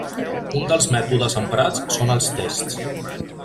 Un dels mètodes emprats són els tests.